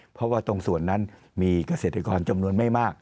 เพราะว่าตรงส่วนนั้นมีเกษตรกรจำนวนไม่มาก